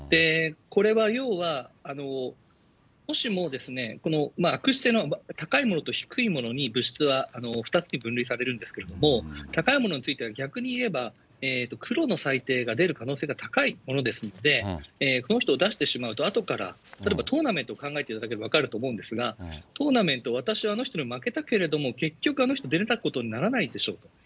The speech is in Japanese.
これは要は、もしも悪質性の高いものと低いものに物質は２つに分類されるんですけれども、高いものについては逆に言えば、黒の裁定が出る可能性が高いものですので、この人を出してしまうと、あとから、例えばトーナメントを考えていただければ分かると思うんですが、トーナメント、私はあの人に負けたけれども結局あの人出れたことにならないでしょと。